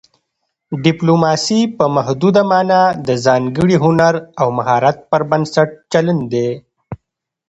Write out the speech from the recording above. ډیپلوماسي په محدوده مانا د ځانګړي هنر او مهارت پر بنسټ چلند دی